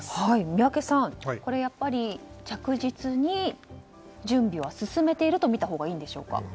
宮家さん、これは着実に準備は進めているとみたほうがいいでしょうか。